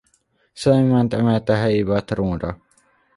Szulejmánt emelte helyébe a trónra.